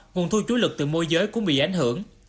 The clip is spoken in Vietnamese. nguồn thu chú lực từ mua giới cũng bị ảnh hưởng